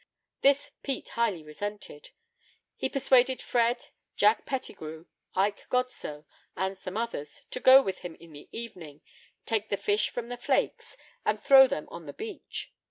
This Pete highly resented. He persuaded Fred, Jack Pettigrew, Ike Godsoe, and some others, to go with him in the evening, take the fish from the flakes, and throw them on the beach.